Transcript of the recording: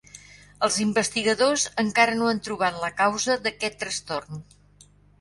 Els investigadores encara no han trobat la causa d'aquest trastorn.